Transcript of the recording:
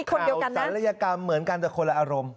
คือข่าวแต่ละยกรรมเหมือนกันแต่คนละอารม